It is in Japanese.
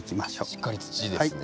しっかり土ですね。